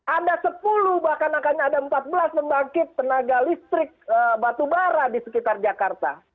ada sepuluh bahkan akan ada empat belas pembangkit tenaga listrik batubara di sekitar jakarta